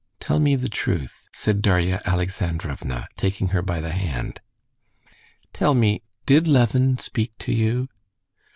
Tell me the truth," said Darya Alexandrovna, taking her by the hand: "tell me, did Levin speak to you?..."